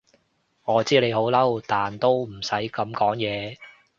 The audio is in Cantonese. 我知你好嬲，但都唔使噉講嘢